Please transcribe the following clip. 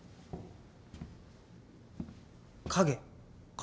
影。